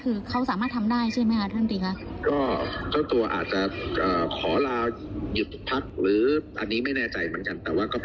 แต่ว่าอย่างน้อยเรานึงออกจากหน้าที่ปฏิบัติงาน